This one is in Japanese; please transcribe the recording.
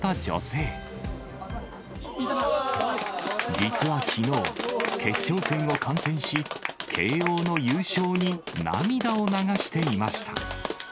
実はきのう、決勝戦を観戦し、慶応の優勝に涙を流していました。